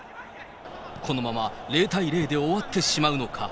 このまま０対０で終わってしまうのか？